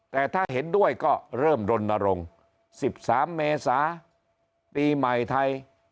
แต่ถ้าเห็นด้วยก็เริ่มรณรงค์๑๓เมษาปีใหม่ไทย